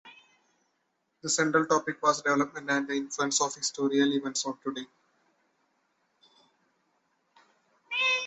The central topic was development and the influence of historical events on today.